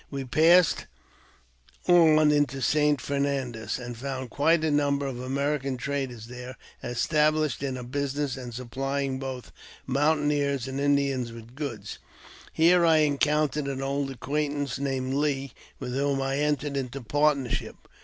We passed on into St. Fernandez, and found quite a number of American traders there, established in business, and sup plying both mountaineers and Indians with goods. Here I encountered an old acquaintance, named Lee, with whom I entered into partnership.